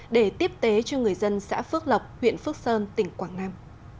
để tiếp tế cho người dân xã phước lộc huyện phước sơn tỉnh quảng nam